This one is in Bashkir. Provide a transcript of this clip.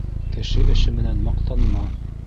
Кеше эше менән маҡтанма.